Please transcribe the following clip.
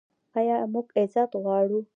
آیا موږ عزت غواړو؟